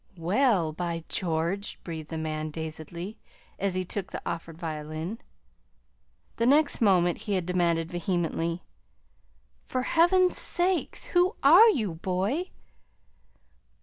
"Well, by George!" breathed the man dazedly, as he took the offered violin. The next moment he had demanded vehemently: "For Heaven's sake, who ARE you, boy?"